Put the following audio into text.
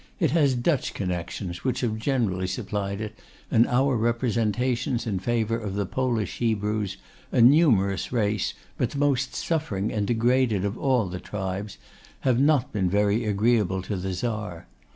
It has Dutch connections, which have generally supplied it; and our representations in favour of the Polish Hebrews, a numerous race, but the most suffering and degraded of all the tribes, have not been very agreeable to the Czar.